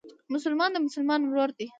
مسلمان د مسلمان ورور دئ.